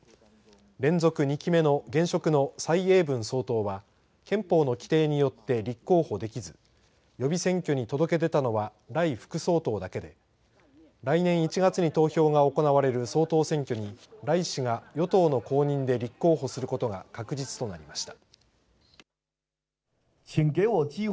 連続２期目の現職の蔡英文総統は憲法の規定によって立候補できず予備選挙に届け出たのは頼副総統だけで来年１月に投票が行われる総統選挙に頼氏が与党の公認で立候補することが確実となりました。